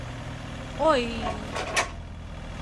— Ой-й!